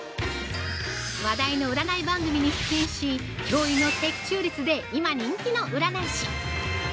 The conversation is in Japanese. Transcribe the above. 話題の占い番組に出演し、脅威の的中率で今人気の占い師。